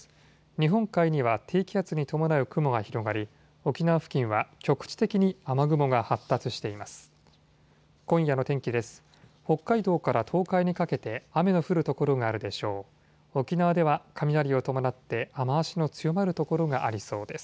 日本海には低気圧に伴う雲が広がり、沖縄付近は局地的に雨雲が発達しています。